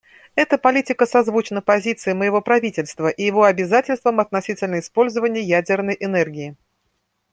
Эта политика созвучна позиции моего правительства и его обязательствам относительно использования ядерной энергии.